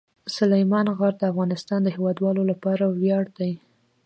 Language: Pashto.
سلیمان غر د افغانستان د هیوادوالو لپاره ویاړ دی.